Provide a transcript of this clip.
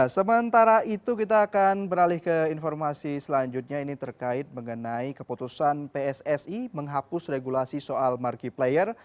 sementara itu kita akan beralih ke informasi selanjutnya ini terkait mengenai keputusan pssi menghapus regulasi soal markiplayer